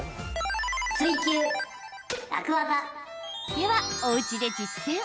では、おうちで実践。